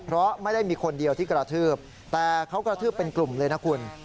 เพราะไม่ได้มีคนเดียวที่กระทืบแต่เขากระทืบเป็นกลุ่มเลยนะคุณ